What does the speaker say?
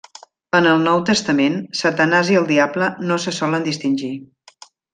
En el Nou Testament, Satanàs i el diable no se solen distingir.